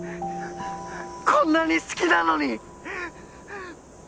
こんなに好きなのに！